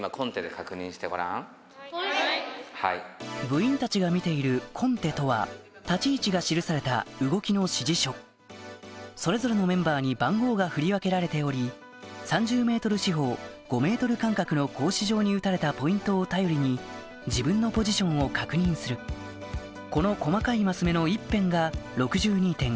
部員たちが見ているコンテとは立ち位置が記されたそれぞれのメンバーに番号が振り分けられており３０ｍ四方５ｍ間隔の格子状に打たれたポイントを頼りに自分のポジションを確認するこの細かい升目の一辺が６２．５ｃｍ